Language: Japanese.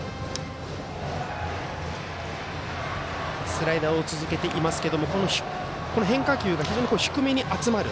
スライダーを続けていますが、この変化球が非常に低めに集まる。